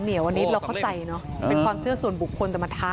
เดี๋ยววันนี้เราเข้าใจเนอะเป็นความเชื่อส่วนบุคคลจะมาท้า